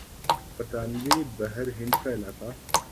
برطانوی بحر ہند کا علاقہ